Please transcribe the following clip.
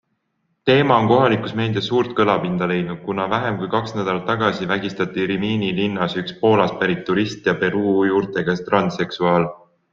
Teema on kohalikus meedias suurt kõlapinda leidnud, kuna vähem kui kaks nädalat tagasi vägistati Rimini linnas üks Poolast pärit turist ja Peruu juurtega transseksuaal.